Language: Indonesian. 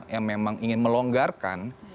yang memang ingin melonggarkan